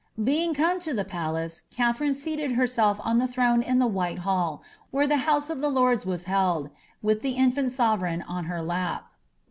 Being come to the palace, Katherine seated herself on the throne iu the white hall, where the house of lords was held, with the infant sovereign on her lap.